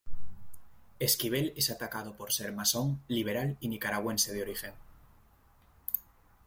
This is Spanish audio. Esquivel es atacado por ser masón, liberal y nicaragüense de origen.